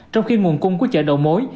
trong khi nguồn cung của chợ đầu mối